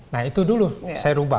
nah itu dulu saya ubah